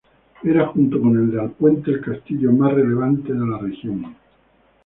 Era junto con el de Alpuente el castillo más relevante de la región.